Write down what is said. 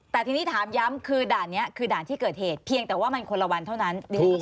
แต่ทีนี้ถามย้ำคือด่านนี้คือด่านที่เกิดเหตุเพียงแต่ว่ามันคนละวันเท่านั้น